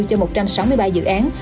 cho một trăm sáu mươi ba dự án